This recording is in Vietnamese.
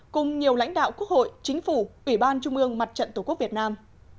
cùng nhiều lãnh đạo quốc hội chính phủ ủy ban trung ương mặt trận tổ quốc việt nam